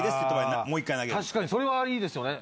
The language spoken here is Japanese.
確かにそれはいいですよね。